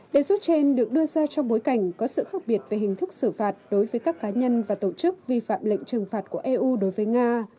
đề xuất trên được đưa ra trong bối cảnh có sự khác biệt về hình thức xử phạt đối với các cá nhân và tổ chức vi phạm lệnh trừng phạt của eu đối với nga